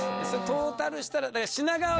それトータルしたら。